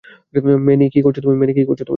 Many, কি করছো তুমি?